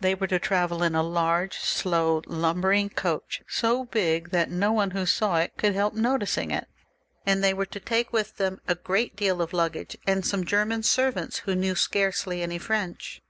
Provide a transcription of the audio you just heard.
They were to travel in a large, slow, lumbering coach, so big, that no one who saw it could help noticing it, and they were to take with them a great deal of luggage and some German servants, who knew scarcely any French.